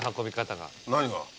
何が？